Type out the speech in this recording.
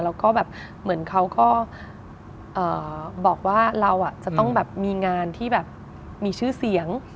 แล้วก็แบบเหมือนเขาก็บอกว่าเราจะต้องแบบมีงานที่แบบมีชื่อเสียง